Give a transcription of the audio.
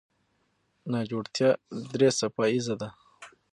ناجوړتیا درې څپه ایزه ده.